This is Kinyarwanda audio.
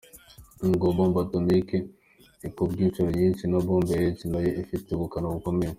Nubwo Bombe atomique ikubwe inshuro nyinshi na Bombe H nayo ifite ubukana bukomeye.